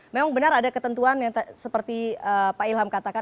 memang benar ada ketentuan yang seperti pak ilham katakan